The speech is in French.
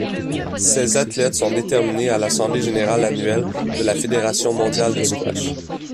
Ces athlètes sont déterminés à l'assemblée générale annuelle de la Fédération mondiale de squash.